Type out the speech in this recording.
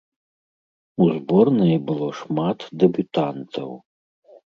У зборнай было шмат дэбютантаў.